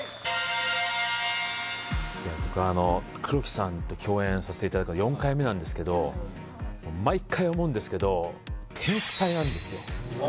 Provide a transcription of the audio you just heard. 僕あの黒木さんと共演させていただくの４回目なんですけど毎回思うんですけど天才なんですよ